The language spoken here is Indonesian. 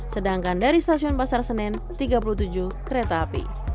sedangkan dari stasiun pasar senen tiga puluh tujuh kereta api